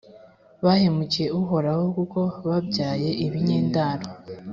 Bahemukiye Uhoraho kuko babyaye ibinyendaro;